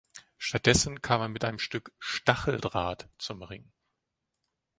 Stattdessen kam er mit einem Stück „Stacheldraht“ zum Ring.